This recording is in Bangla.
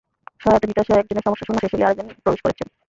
সহায়তা নিতে আসা একজনের সমস্যা শোনা শেষ হলেই আরেকজন প্রবেশ করছেন।